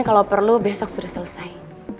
kalau perlu besok sudah selesai